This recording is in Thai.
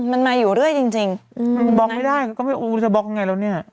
มันมาอยู่เรื่อยจริงจริงอืมบล็อกไม่ได้ก็ไม่รู้จะบล็อกยังไงแล้วเนี่ย